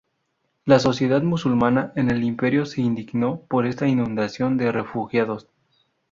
La sociedad musulmana en el imperio se indignó por esta inundación de refugiados.